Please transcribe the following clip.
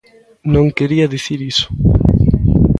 Non quería dicir iso.